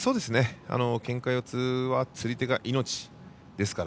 けんか四つは釣り手が命ですから。